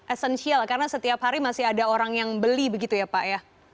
esensial karena setiap hari masih ada orang yang beli begitu ya pak ya